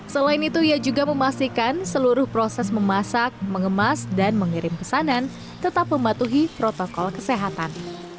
selain itu ia juga memastikan seluruh proses memasak mengemas dan mengirim pesanan tetap mematuhi protokol kesehatan